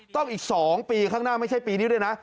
อีก๒ปีข้างหน้าไม่ใช่ปีนี้ด้วยนะ